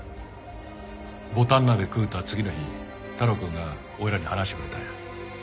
ぼたん鍋食うた次の日太郎くんが俺らに話してくれたんや。